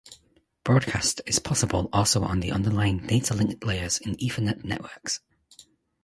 Broadcast is possible also on the underlying Data Link Layer in Ethernet networks.